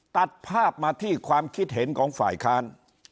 ตัดภาพมาที่ความคิดเห็นของฝ่ายค้าน